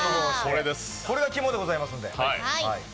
これが肝でございますので。